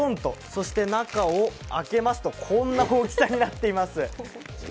そして中を開けますと、こんな大きさになっています。